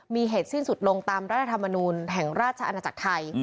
มีเหตุสิ้นสุดลงตามรัฐธรรมนูลแห่งราชอาณาจักรไทย